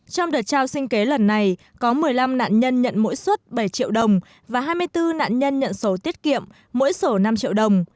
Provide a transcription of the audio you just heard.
trong đợt trao sinh kế lần này có một mươi năm nạn nhân nhận mỗi xuất bảy triệu đồng và hai mươi bốn nạn nhân nhận sổ tiết kiệm mỗi sổ năm triệu đồng